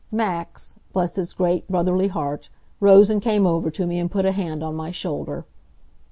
Max bless his great, brotherly heart rose and came over to me and put a hand on my shoulder.